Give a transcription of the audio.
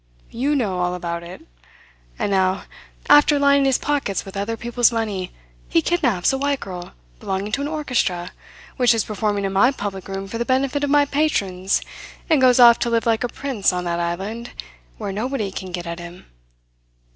You know all about it. And now, after lining his pockets with other people's money, he kidnaps a white girl belonging to an orchestra which is performing in my public room for the benefit of my patrons, and goes off to live like a prince on that island, where nobody can get at him.